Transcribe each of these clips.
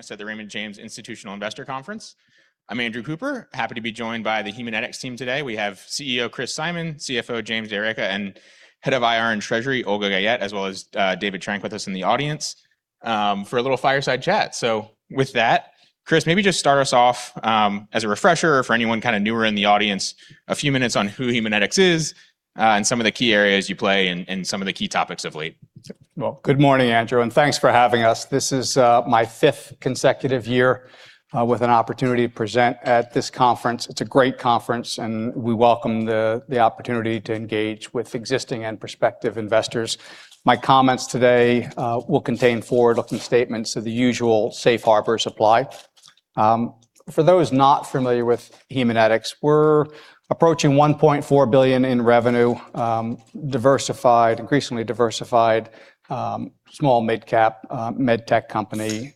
Yeah, it's at the Raymond James Institutional Investors Conference. I'm Andrew Cooper. Happy to be joined by the Haemonetics team today. We have CEO, Chris Simon, CFO, James D'Arecca, and Head of IR and Treasury, Olga Guyette, as well as David Trenk with us in the audience for a little fireside chat. With that, Chris, maybe just start us off, as a refresher for anyone kinda newer in the audience, a few minutes on who Haemonetics is and some of the key areas you play and some of the key topics of late. Well, good morning, Andrew. Thanks for having us. This is my fifth consecutive year with an opportunity to present at this conference. It's a great conference. We welcome the opportunity to engage with existing and prospective investors. My comments today will contain forward-looking statements. The usual safe harbors apply. For those not familiar with Haemonetics, we're approaching $1.4 billion in revenue, diversified, increasingly diversified, small midcap MedTech company.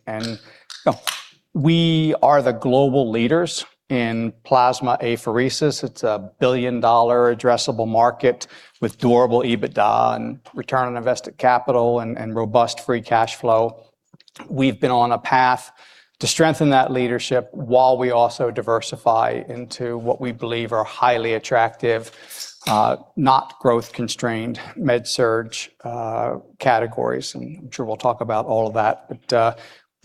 We are the global leaders in plasma apheresis. It's a billion-dollar addressable market with durable EBITDA and return on invested capital and robust free cash flow. We've been on a path to strengthen that leadership while we also diversify into what we believe are highly attractive, not growth-constrained med-surg categories. I'm sure we'll talk about all of that.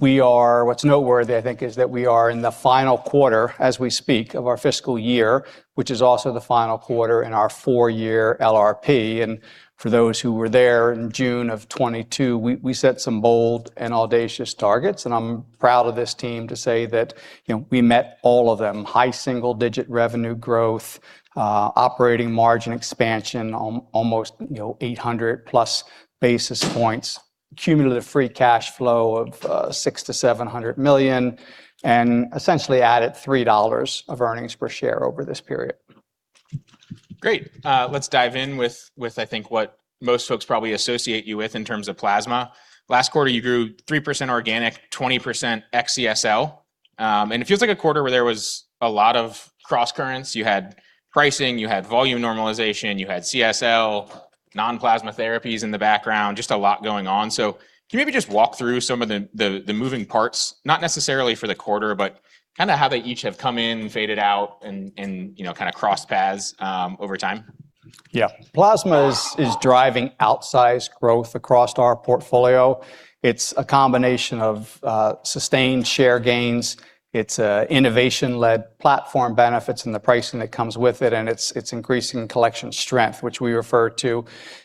What's noteworthy, I think, is that we are in the final quarter as we speak of our fiscal year, which is also the final quarter in our 4-year LRP. For those who were there in June of 2022, we set some bold and audacious targets, and I'm proud of this team to say that, you know, we met all of them, high single-digit revenue growth, operating margin expansion almost, you know, 800+ basis points, cumulative free cash flow of $600 million-$700 million, and essentially added $3 of earnings per share over this period. Great. Let's dive in with I think what most folks probably associate you with in terms of plasma. Last quarter, you grew 3% organic, 20% ex CSL. It feels like a quarter where there was a lot of crosscurrents. You had pricing, you had volume normalization, you had CSL, non-plasma therapies in the background, just a lot going on. Can you maybe just walk through some of the moving parts, not necessarily for the quarter, but kinda how they each have come in, faded out and, you know, kinda crossed paths over time? Yeah. Plasma is driving outsized growth across our portfolio. It's a combination of sustained share gains. It's a innovation-led platform benefits and the pricing that comes with it, and it's increasing collection strength, which we refer to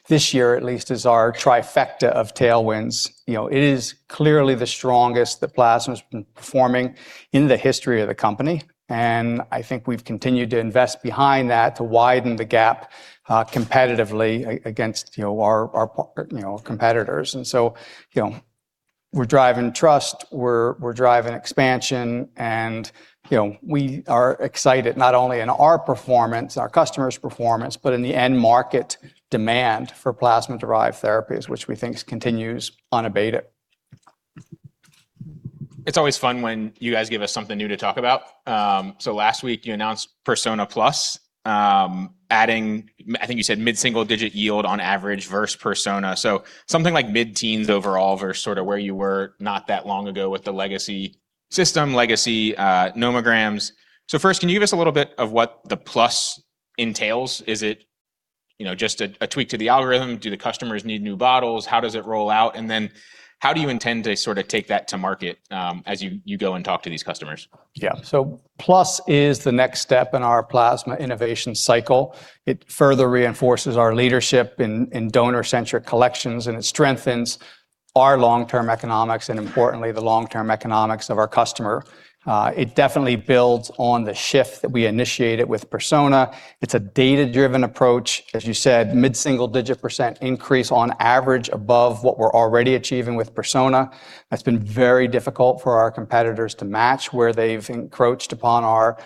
this year at least as our trifecta of tailwinds. You know, it is clearly the strongest that plasma's been performing in the history of the company. I think we've continued to invest behind that to widen the gap competitively against, you know, our competitors. So, you know, we're driving trust, we're driving expansion, and, you know, we are excited not only in our performance and our customers' performance, but in the end market demand for plasma-derived therapies, which we think continues unabated. It's always fun when you guys give us something new to talk about. Last week you announced Persona PLUS, adding I think you said mid-single digit yield on average versus Persona. Something like mid-teens overall versus sorta where you were not that long ago with the legacy system, legacy nomograms. First, can you give us a little bit of what the plus entails? Is it, you know, just a tweak to the algorithm? Do the customers need new bottles? How does it roll out? How do you intend to sorta take that to market as you go and talk to these customers? Yeah. PLUS is the next step in our plasma innovation cycle. It further reinforces our leadership in donor-centric collections, and it strengthens our long-term economics and importantly, the long-term economics of our customer. It definitely builds on the shift that we initiated with Persona. It's a data-driven approach. As you said, mid-single digit % increase on average above what we're already achieving with Persona. That's been very difficult for our competitors to match. Where they've encroached upon our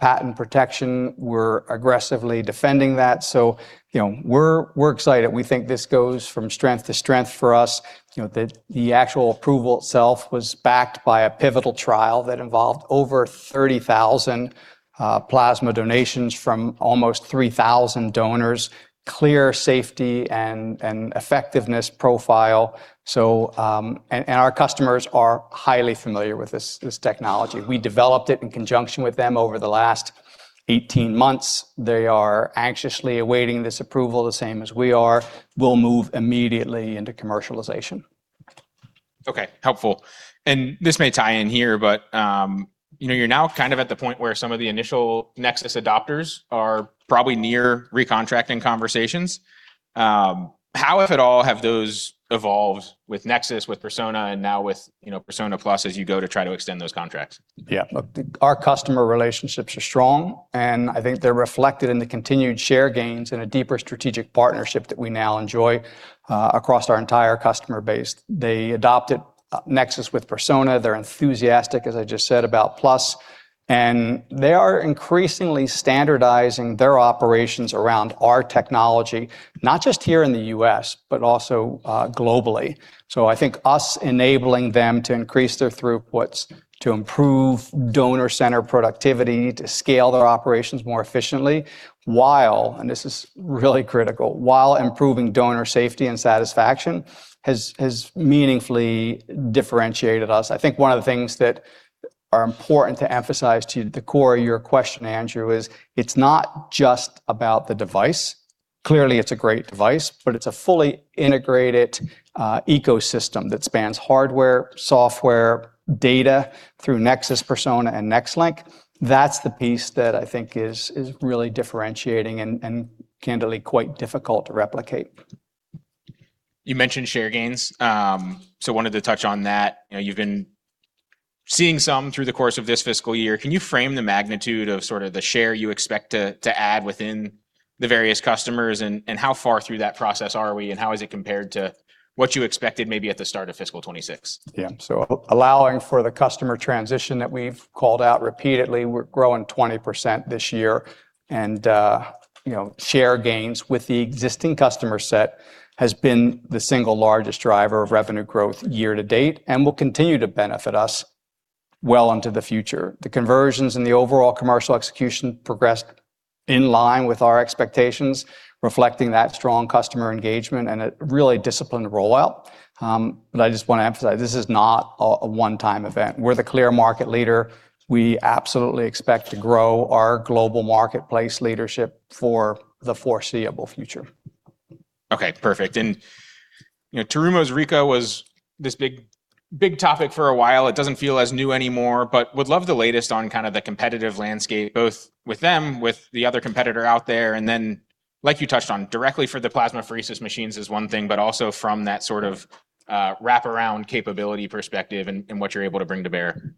patent protection, we're aggressively defending that. You know, we're excited. We think this goes from strength to strength for us. You know, the actual approval itself was backed by a pivotal trial that involved over 30,000 plasma donations from almost 3,000 donors, clear safety and effectiveness profile. Our customers are highly familiar with this technology. We developed it in conjunction with them over the last 18 months. They are anxiously awaiting this approval the same as we are. We'll move immediately into commercialization. Okay. Helpful. This may tie in here, but, you know, you're now kind of at the point where some of the initial NexSys adopters are probably near recontracting conversations. How, if at all, have those evolved with NexSys, with Persona, and now with, you know, Persona PLUS as you go to try to extend those contracts? Yeah. Look, our customer relationships are strong. I think they're reflected in the continued share gains and a deeper strategic partnership that we now enjoy across our entire customer base. They adopted NexSys with Persona. They're enthusiastic, as I just said, about Plus. They are increasingly standardizing their operations around our technology, not just here in the U.S., but also globally. I think us enabling them to increase their throughputs, to improve donor center productivity, to scale their operations more efficiently, while, and this is really critical, while improving donor safety and satisfaction, has meaningfully differentiated us. I think one of the things that are important to emphasize to the core of your question, Andrew, is it's not just about the device. Clearly, it's a great device, but it's a fully integrated ecosystem that spans hardware, software, data through NexSys, Persona, and NexLynk. That's the piece that I think is really differentiating and candidly quite difficult to replicate. You mentioned share gains. Wanted to touch on that. You know, you've been seeing some through the course of this fiscal year. Can you frame the magnitude of sort of the share you expect to add within the various customers and how far through that process are we, and how is it compared to what you expected maybe at the start of fiscal FY26? Allowing for the customer transition that we've called out repeatedly, we're growing 20% this year. You know, share gains with the existing customer set has been the single largest driver of revenue growth year-to-date and will continue to benefit us well into the future. The conversions and the overall commercial execution progressed in line with our expectations, reflecting that strong customer engagement and a really disciplined rollout. I just wanna emphasize, this is not a one-time event. We're the clear market leader. We absolutely expect to grow our global marketplace leadership for the foreseeable future. Okay, perfect. You know, Terumo's Rika was this big, big topic for a while. It doesn't feel as new anymore, but would love the latest on kind of the competitive landscape, both with them, with the other competitor out there, and then, like you touched on, directly for the plasmapheresis machines is one thing, but also from that sort of wraparound capability perspective and what you're able to bring to bear.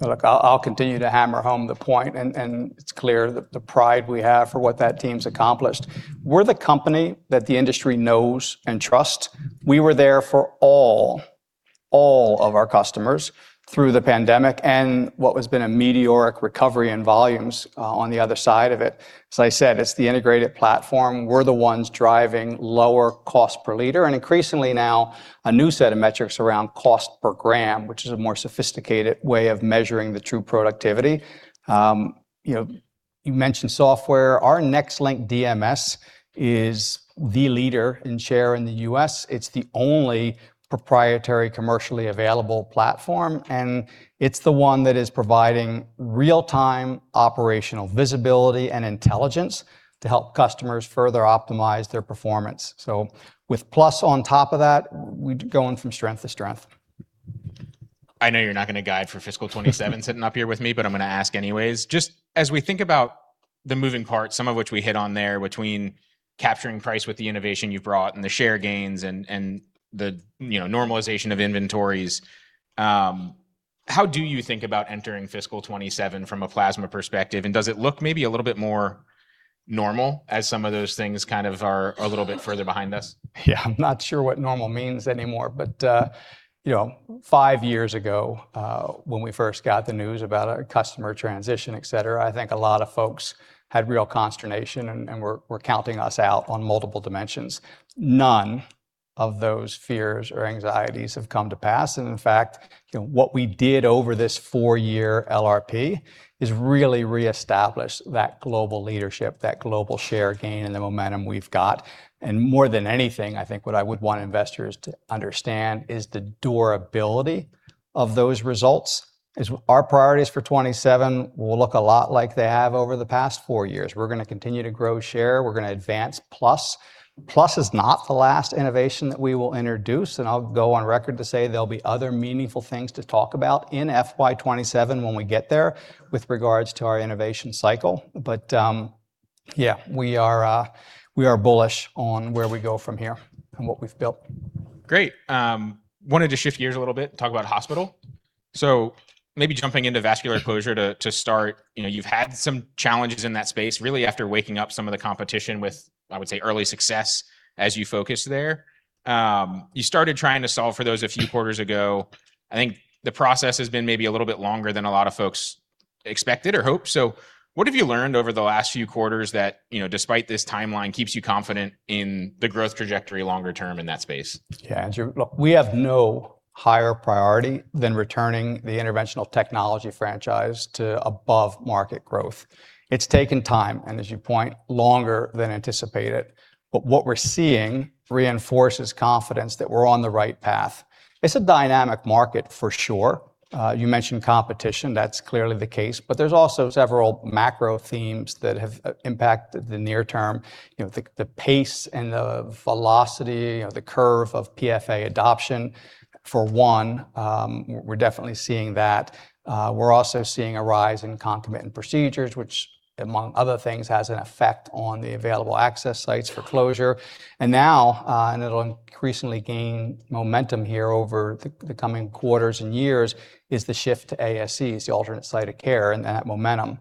Look, I'll continue to hammer home the point and it's clear the pride we have for what that team's accomplished. We're the company that the industry knows and trusts. We were there for all of our customers through the pandemic and what has been a meteoric recovery in volumes on the other side of it. As I said, it's the integrated platform. We're the ones driving lower cost per liter and increasingly now a new set of metrics around cost per gram, which is a more sophisticated way of measuring the true productivity. You know, you mentioned software. Our NexLynk DMS is the leader in share in the U.S. It's the only proprietary commercially available platform, and it's the one that is providing real-time operational visibility and intelligence to help customers further optimize their performance. With PLUS on top of that, we're going from strength to strength. I know you're not gonna guide for fiscal 2027 sitting up here with me, but I'm gonna ask anyways. Just as we think about the moving parts, some of which we hit on there between capturing price with the innovation you've brought and the share gains and the, you know, normalization of inventories, how do you think about entering fiscal 2027 from a plasma perspective, and does it look maybe a little bit more normal as some of those things kind of are a little bit further behind us? Yeah. I'm not sure what normal means anymore. But, you know, five years ago, when we first got the news about our customer transition, et cetera, I think a lot of folks had real consternation and were counting us out on multiple dimensions. None of those fears or anxieties have come to pass. In fact, you know, what we did over this four-year LRP is really reestablish that global leadership, that global share gain, and the momentum we've got. More than anything, I think what I would want investors to understand is the durability of those results is our priorities for twenty-seven will look a lot like they have over the past four years. We're gonna continue to grow share. We're gonna advance Plus. Plus is not the last innovation that we will introduce, I'll go on record to say there'll be other meaningful things to talk about in FY27 when we get there with regards to our innovation cycle. Yeah, we are bullish on where we go from here and what we've built. Great. Wanted to shift gears a little bit and talk about hospital. Maybe jumping into vascular closure to start. You know, you've had some challenges in that space really after waking up some of the competition with, I would say, early success as you focus there. You started trying to solve for those a few quarters ago. I think the process has been maybe a little bit longer than a lot of folks expected or hoped. What have you learned over the last few quarters that, you know, despite this timeline, keeps you confident in the growth trajectory longer term in that space? Yeah, Andrew. Look, we have no higher priority than returning the Interventional Technologies franchise to above-market growth. It's taken time, and as you point, longer than anticipated, but what we're seeing reinforces confidence that we're on the right path. It's a dynamic market for sure. You mentioned competition. That's clearly the case. There's also several macro themes that have impacted the near term. You know, the pace and the velocity or the curve of PFA adoption for one, we're definitely seeing that. We're also seeing a rise in concomitant procedures, which among other things, has an effect on the available access sites for closure. Now, and it'll increasingly gain momentum here over the coming quarters and years, is the shift to ASCs, the alternate site of care, and that momentum.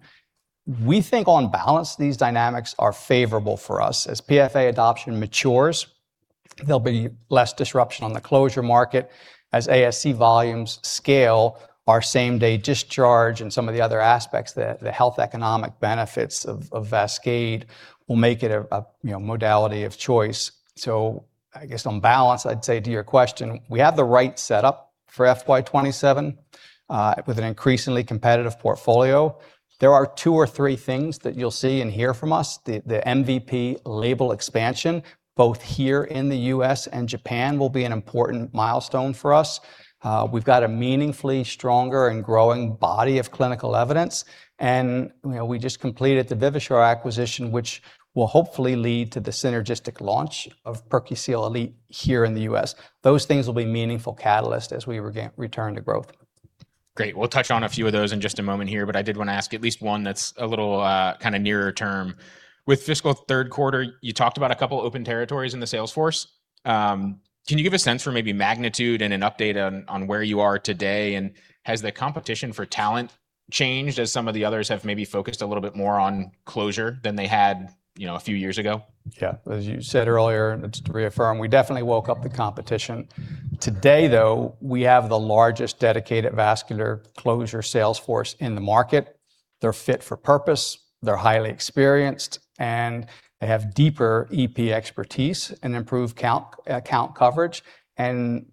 We think on balance, these dynamics are favorable for us. As PFA adoption matures, there'll be less disruption on the closure market. As ASC volumes scale our same-day discharge and some of the other aspects, the health economic benefits of VASCADE will make it a, you know, modality of choice. I guess on balance, I'd say to your question, we have the right setup for FY27, with an increasingly competitive portfolio, there are two or three things that you'll see and hear from us. The MVP label expansion, both here in the U.S. and Japan, will be an important milestone for us. We've got a meaningfully stronger and growing body of clinical evidence, and, you know, we just completed the Vivasure acquisition, which will hopefully lead to the synergistic launch of PerQseal Elite here in the U.S. Those things will be meaningful catalysts as we return to growth. Great. We'll touch on a few of those in just a moment here, but I did wanna ask at least one that's a little kinda nearer term. With fiscal third quarter, you talked about a couple open territories in the sales force. Can you give a sense for maybe magnitude and an update on where you are today? Has the competition for talent changed as some of the others have maybe focused a little bit more on closure than they had, you know, a few years ago? Yeah. As you said earlier, just to reaffirm, we definitely woke up the competition. Today, though, we have the largest dedicated vascular closure sales force in the market. They're fit for purpose, they're highly experienced, they have deeper EP expertise and improved count, account coverage and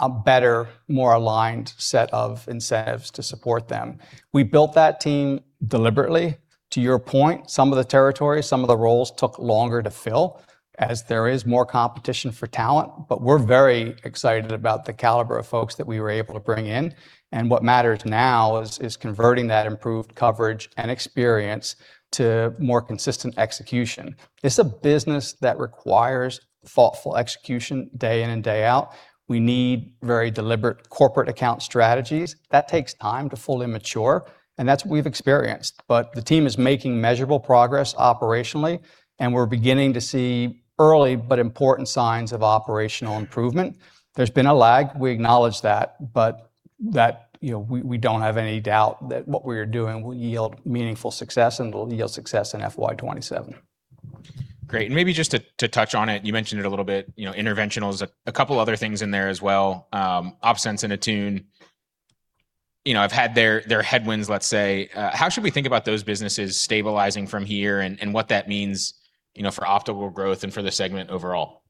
a better, more aligned set of incentives to support them. We built that team deliberately. To your point, some of the territories, some of the roles took longer to fill as there is more competition for talent, but we're very excited about the caliber of folks that we were able to bring in. What matters now is converting that improved coverage and experience to more consistent execution. This is a business that requires thoughtful execution day in and day out. We need very deliberate corporate account strategies. That takes time to fully mature, and that's what we've experienced. The team is making measurable progress operationally, and we're beginning to see early but important signs of operational improvement. There's been a lag, we acknowledge that, but that, you know, we don't have any doubt that what we are doing will yield meaningful success, and it'll yield success in FY27. Great. Maybe just to touch on it, you mentioned it a little bit, you know, Interventional is a couple other things in there as well, OpSens and Attune, you know, have had their headwinds, let's say. How should we think about those businesses stabilizing from here and what that means, you know, for optimal growth and for the segment overall?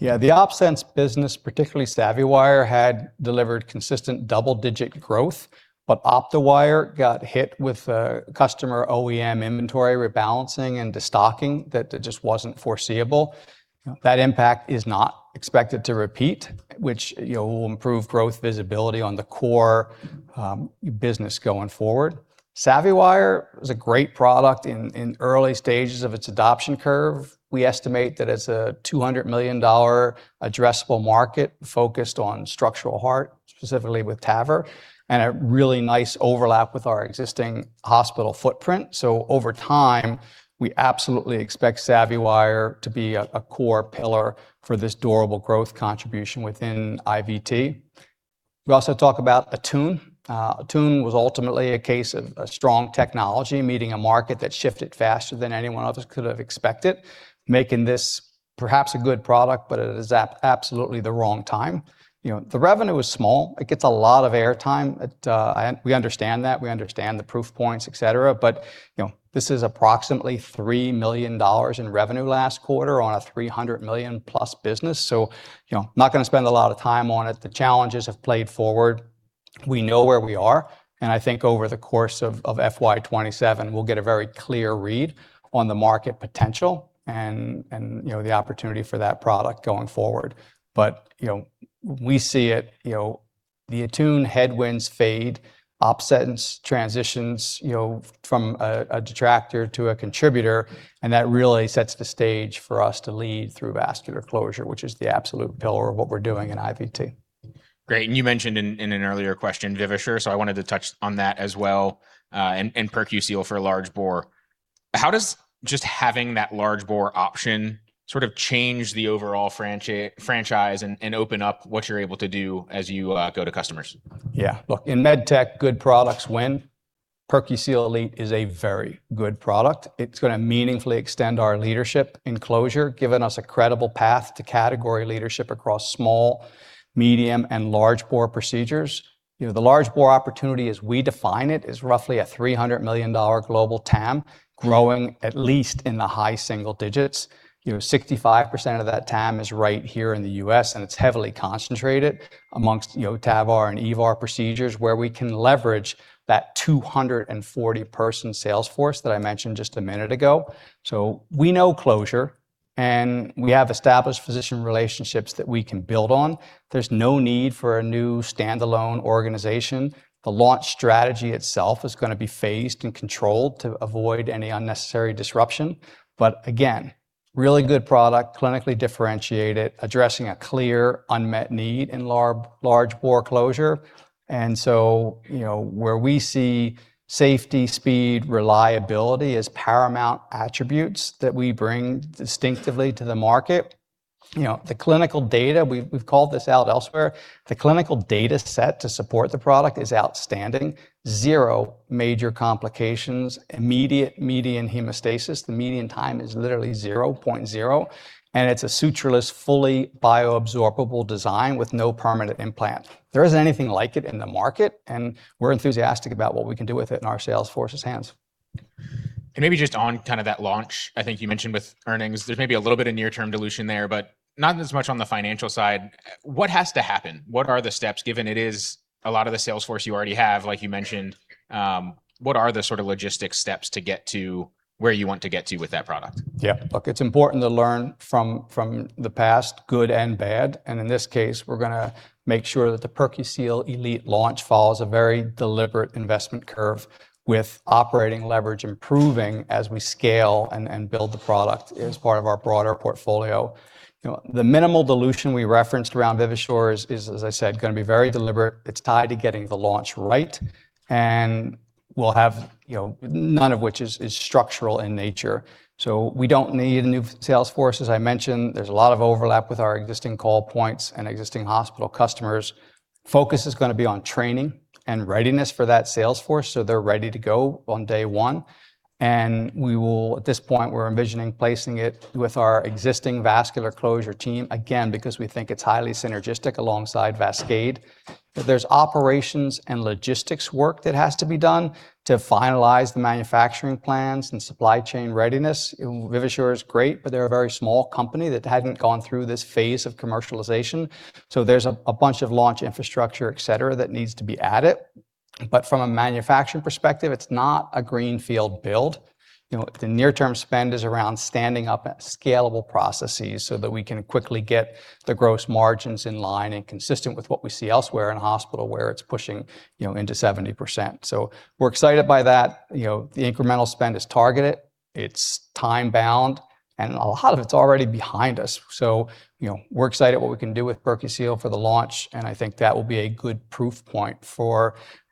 The OpSens business, particularly SavvyWire, had delivered consistent double-digit growth, but OptoWire got hit with a customer OEM inventory rebalancing and destocking that just wasn't foreseeable. That impact is not expected to repeat, which, you know, will improve growth visibility on the core business going forward. SavvyWire is a great product in early stages of its adoption curve. We estimate that it's a $200 million addressable market focused on structural heart, specifically with TAVR, and a really nice overlap with our existing hospital footprint. Over time, we absolutely expect SavvyWire to be a core pillar for this durable growth contribution within IVT. We also talk about Attune. Attune was ultimately a case of a strong technology meeting a market that shifted faster than anyone else could have expected, making this perhaps a good product, but it is absolutely the wrong time. You know, the revenue is small. It gets a lot of airtime. It. We understand that. We understand the proof points, et cetera. You know, this is approximately $3 million in revenue last quarter on a $300 million-plus business, not gonna spend a lot of time on it. The challenges have played forward. We know where we are, and I think over the course of FY27, we'll get a very clear read on the market potential and, you know, the opportunity for that product going forward. You know, we see it, you know, the Attune headwinds fade, OpSens transitions, you know, from a detractor to a contributor, and that really sets the stage for us to lead through vascular closure, which is the absolute pillar of what we're doing in IVT. Great. You mentioned an earlier question Vivasure, so I wanted to touch on that as well, and PerQseal for large bore. How does just having that large bore option sort of change the overall franchise and open up what you're able to do as you go to customers? Yeah. Look, in MedTech, good products win. PerQseal Elite is a very good product. It's gonna meaningfully extend our leadership in closure, giving us a credible path to category leadership across small, medium, and large bore procedures. You know, the large bore opportunity as we define it is roughly a $300 million global TAM growing at least in the high single digits. You know, 65% of that TAM is right here in the U.S., and it's heavily concentrated amongst, you know, TAVR and EVAR procedures where we can leverage that 240 person sales force that I mentioned just a minute ago. We know closure, and we have established physician relationships that we can build on. There's no need for a new standalone organization. The launch strategy itself is gonna be phased and controlled to avoid any unnecessary disruption. Again, really good product, clinically differentiated, addressing a clear unmet need in large bore closure. You know, where we see safety, speed, reliability as paramount attributes that we bring distinctively to the market. You know, the clinical data, we've called this out elsewhere. The clinical data set to support the product is outstanding. Zero major complications, immediate median hemostasis. The median time is literally 0.0, and it's a suture-less, fully bioabsorbable design with no permanent implant. There isn't anything like it in the market, and we're enthusiastic about what we can do with it in our sales force's hands. Maybe just on kind of that launch, I think you mentioned with earnings, there's maybe a little bit of near-term dilution there, but not as much on the financial side. What has to happen? What are the steps, given it is a lot of the sales force you already have, like you mentioned, what are the sort of logistics steps to get to where you want to get to with that product? Yeah. Look, it's important to learn from the past, good and bad. In this case, we're gonna make sure that the PerQseal Elite launch follows a very deliberate investment curve with operating leverage improving as we scale and build the product as part of our broader portfolio. You know, the minimal dilution we referenced around Vivisure is, as I said, gonna be very deliberate. It's tied to getting the launch right, and we'll have, you know, none of which is structural in nature. We don't need a new sales force. As I mentioned, there's a lot of overlap with our existing call points and existing hospital customers. Focus is gonna be on training and readiness for that sales force, so they're ready to go on day one. We will-- at this point, we're envisioning placing it with our existing vascular closure team, again, because we think it's highly synergistic alongside VASCADE. There's operations and logistics work that has to be done to finalize the manufacturing plans and supply chain readiness. Vivasure is great, but they're a very small company that hadn't gone through this phase of commercialization. There's a bunch of launch infrastructure, et cetera, that needs to be added. From a manufacturing perspective, it's not a greenfield build. You know, the near-term spend is around standing up scalable processes so that we can quickly get the gross margins in line and consistent with what we see elsewhere in hospital, where it's pushing, you know, into 70%. We're excited by that. You know, the incremental spend is targeted, it's time-bound, and a lot of it's already behind us. You know, we're excited what we can do with PerQseal for the launch, and I think that will be a good proof point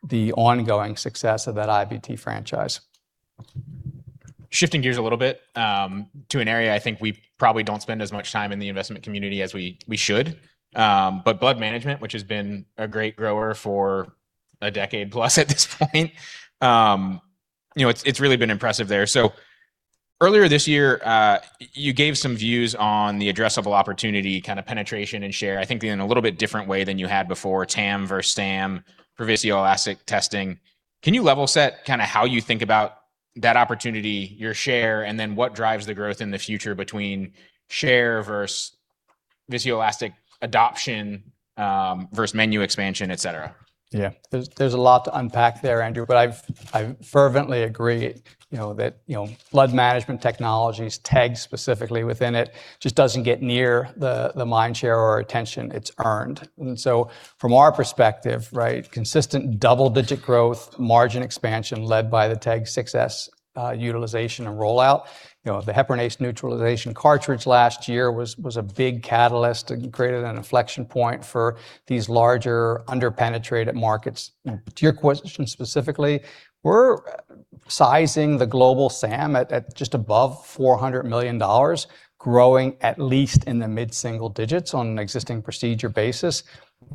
for the ongoing success of that IBT franchise. Shifting gears a little bit, to an area I think we probably don't spend as much time in the investment community as we should. But blood management, which has been a great grower for a decade plus at this point. You know, it's really been impressive there. Earlier this year, you gave some views on the addressable opportunity, kind of penetration and share. I think in a little bit different way than you had before, TAM versus SAM for viscoelastic testing. Can you level set kinda how you think about that opportunity, your share, and then what drives the growth in the future between share versus viscoelastic adoption, versus menu expansion, et cetera? There's a lot to unpack there, Andrew, but I fervently agree, you know, that, you know, blood management technologies, TEG specifically within it, just doesn't get near the mind share or attention it's earned. From our perspective, right, consistent double-digit growth, margin expansion led by the TEG 6s utilization and rollout. You know, the heparinase neutralization cartridge last year was a big catalyst. It created an inflection point for these larger under-penetrated markets. To your question specifically, we're sizing the global SAM at just above $400 million, growing at least in the mid-single % on an existing procedure basis.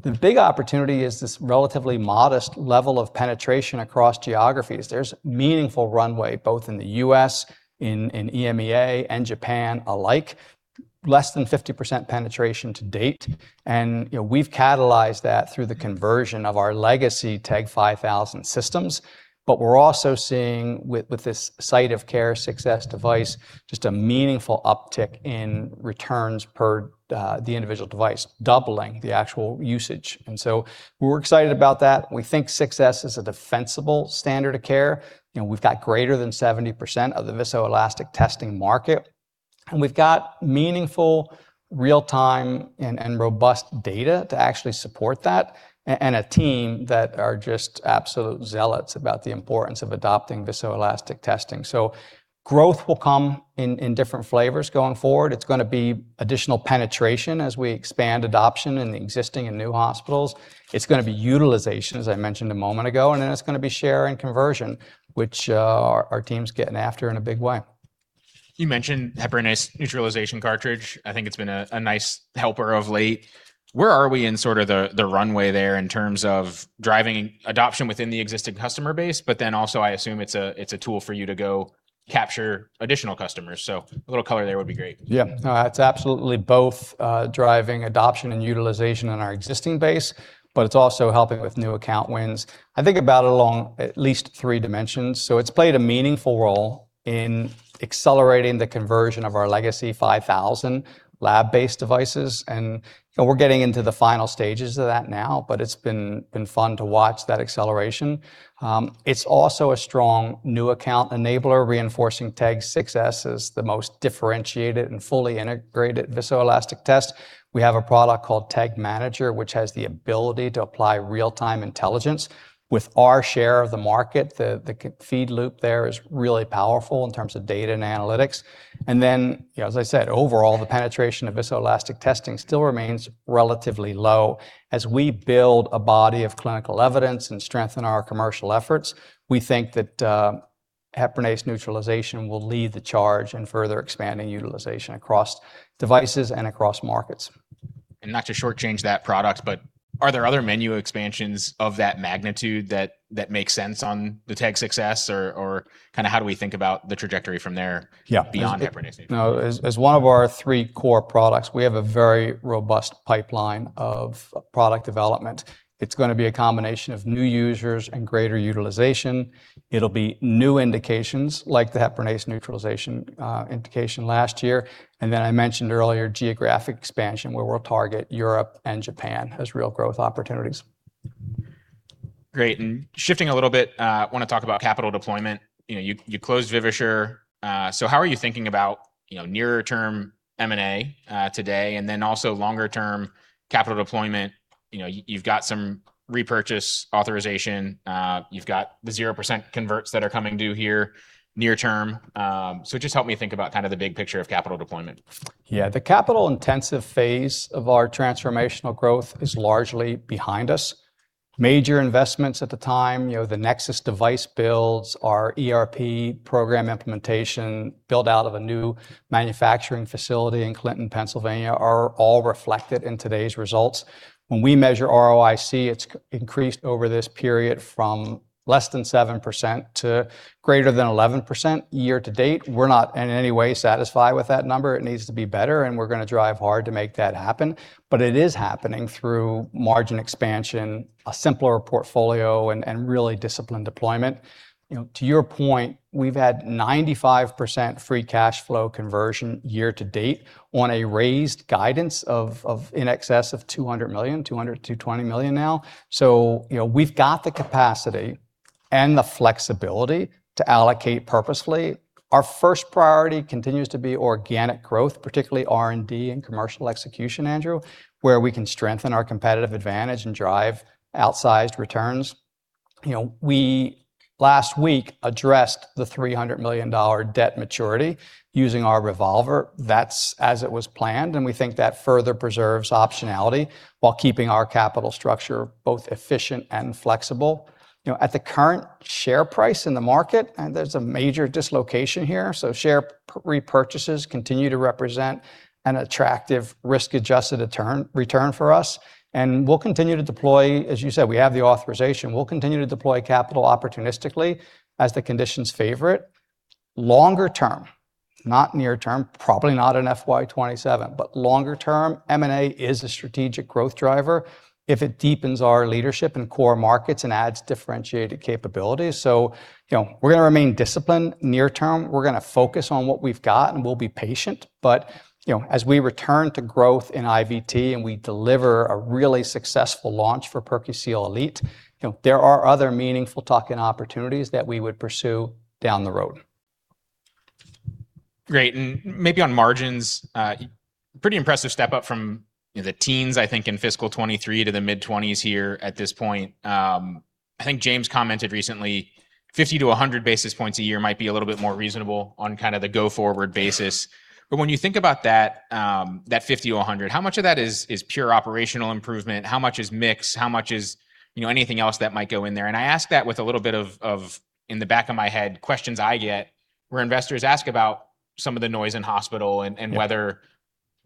The big opportunity is this relatively modest level of penetration across geographies. There's meaningful runway, both in the U.S., in EMEA, and Japan alike. Less than 50% penetration to date. You know, we've catalyzed that through the conversion of our legacy TEG 5000 systems. We're also seeing with this site of care success device, just a meaningful uptick in returns per the individual device, doubling the actual usage. We're excited about that. We think 6s is a defensible standard of care. You know, we've got greater than 70% of the viscoelastic testing market, and we've got meaningful real-time and robust data to actually support that, and a team that are just absolute zealots about the importance of adopting viscoelastic testing. Growth will come in different flavors going forward. It's gonna be additional penetration as we expand adoption in the existing and new hospitals. It's gonna be utilization, as I mentioned a moment ago, and then it's gonna be share and conversion, which, our team's getting after in a big way. You mentioned heparin neutralization cartridge. I think it's been a nice helper of late. Where are we in sort of the runway there in terms of driving adoption within the existing customer base? Also I assume it's a tool for you to go capture additional customers. A little color there would be great. Yeah. No, it's absolutely both, driving adoption and utilization on our existing base, but it's also helping with new account wins. I think about it along at least 3 dimensions. It's played a meaningful role in accelerating the conversion of our legacy TEG 5000 lab-based devices, and we're getting into the final stages of that now, but it's been fun to watch that acceleration. It's also a strong new account enabler, reinforcing TEG 6s is the most differentiated and fully integrated viscoelastic test. We have a product called TEG Manager, which has the ability to apply real-time intelligence. With our share of the market, the feed loop there is really powerful in terms of data and analytics. You know, as i I said, overall, the penetration of viscoelsastic testing still remains relatively low. As we build a body of clinical evidence and strengthen our commercial efforts, we think that heparinase neutralization will lead the charge in further expanding utilization across devices and across markets. Not to shortchange that product, but are there other menu expansions of that magnitude that make sense on the TEG 6s or kinda how do we think about the trajectory from there? Yeah beyond heparinase neutralization? As one of our three core products, we have a very robust pipeline of product development. It's gonna be a combination of new users and greater utilization. It'll be new indications, like the heparinase neutralization indication last year. I mentioned earlier geographic expansion, where we'll target Europe and Japan as real growth opportunities. Great. Shifting a little bit, wanna talk about capital deployment. You know, you closed Vivasure. How are you thinking about, you know, nearer term M&A today, and then also longer term capital deployment? You know, you've got some repurchase authorization, you've got the zero percent converts that are coming due here near term. Just help me think about kind of the big picture of capital deployment. The capital intensive phase of our transformational growth is largely behind us. Major investments at the time, you know, the NexSys device builds, our ERP program implementation, build-out of a new manufacturing facility in Clinton, Pennsylvania, are all reflected in today's results. When we measure ROIC, it's increased over this period from less than 7% to greater than 11% year to date. We're not in any way satisfied with that number. It needs to be better, and we're gonna drive hard to make that happen. It is happening through margin expansion, a simpler portfolio, and really disciplined deployment. You know, to your point, we've had 95% free cash flow conversion year to date on a raised guidance in excess of $200 million, $200 million-$220 million now. You know, we've got the capacity and the flexibility to allocate purposefully. Our first priority continues to be organic growth, particularly R&D and commercial execution, Andrew, where we can strengthen our competitive advantage and drive outsized returns. You know, we last week addressed the $300 million debt maturity using our revolver. That's as it was planned, and we think that further preserves optionality while keeping our capital structure both efficient and flexible. You know, at the current share price in the market, and there's a major dislocation here, so share repurchases continue to represent an attractive risk-adjusted return for us. We'll continue to deploy. As you said, we have the authorization. We'll continue to deploy capital opportunistically as the conditions favor it. Longer term, not near term, probably not in FY27, but longer term, M&A is a strategic growth driver if it deepens our leadership in core markets and adds differentiated capabilities. You know, we're gonna remain disciplined near term. We're gonna focus on what we've got, and we'll be patient. You know, as we return to growth in IVT and we deliver a really successful launch for PerQseal Elite, you know, there are other meaningful talking opportunities that we would pursue down the road. Great. Maybe on margins, pretty impressive step up from, you know, the teens, I think, in fiscal 23 to the mid-20s here at this point. I think James commented recently, 50 to 100 basis points a year might be a little bit more reasonable on kinda the go forward basis. When you think about that 50 to 100, how much of that is pure operational improvement? How much is mix? How much is, you know, anything else that might go in there? I ask that with a little bit of, in the back of my head, questions I get where investors ask about some of the noise in hospital. Yeah... and whether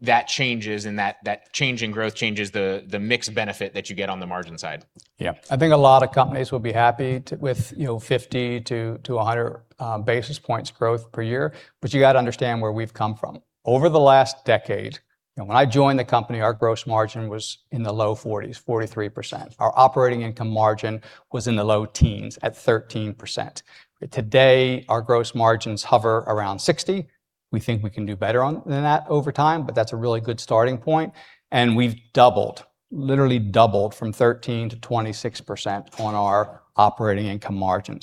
that changes and that change in growth changes the mix benefit that you get on the margin side. Yeah. I think a lot of companies will be happy with, you know, 50 to 100 basis points growth per year. You gotta understand where we've come from. Over the last decade, you know, when I joined the company, our gross margin was in the low 40s, 43%. Our operating income margin was in the low teens at 13%. Today, our gross margins hover around 60. We think we can do better than that over time, but that's a really good starting point. We've doubled, literally doubled from 13% to 26% on our operating income margin.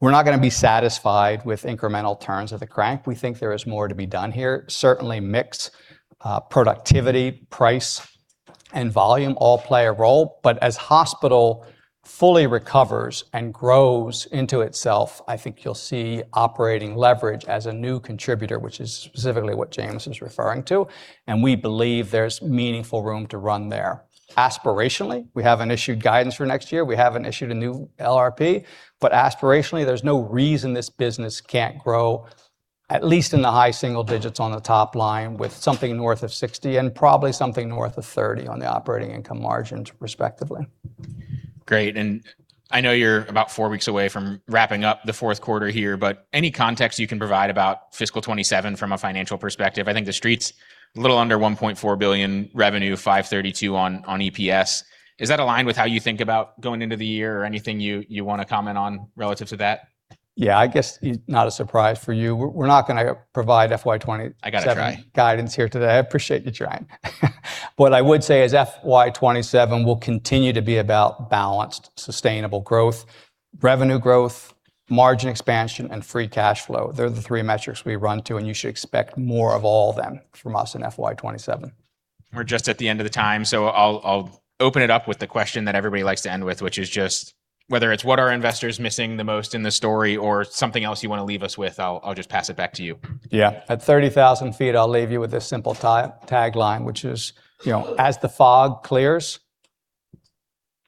We're not gonna be satisfied with incremental turns of the crank. We think there is more to be done here. Certainly, mix, productivity, price, and volume all play a role. As hospital fully recovers and grows into itself, I think you'll see operating leverage as a new contributor, which is specifically what James is referring to, and we believe there's meaningful room to run there. Aspirationally, we haven't issued guidance for next year. We haven't issued a new LRP. Aspirationally, there's no reason this business can't grow at least in the high single digits on the top line with something north of 60% and probably something north of 30% on the operating income margins, respectively. Great. I know you're about four weeks away from wrapping up the fourth quarter here, but any context you can provide about fiscal FY27 from a financial perspective? I think the Street's a little under $1.4 billion revenue, $5.32 on EPS. Is that aligned with how you think about going into the year or anything you wanna comment on relative to that? Yeah. I guess it's not a surprise for you. We're not gonna provide FY27... I gotta try. guidance here today. I appreciate you trying. What I would say is FY27 will continue to be about balanced, sustainable growth, revenue growth, margin expansion, and free cash flow. They're the three metrics we run to, and you should expect more of all of them from us in FY27. We're just at the end of the time, so I'll open it up with the question that everybody likes to end with, which is just whether it's what are investors missing the most in the story or something else you wanna leave us with, I'll just pass it back to you. Yeah. At 30,000 feet, I'll leave you with this simple tagline, which is, you know, as the fog clears,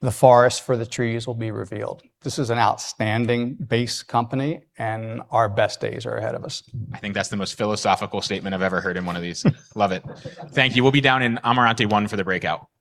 the forest for the trees will be revealed. This is an outstanding base company, and our best days are ahead of us. I think that's the most philosophical statement I've ever heard in one of these. Love it. Thank you. We'll be down in Amarante 1 for the breakout. Bye.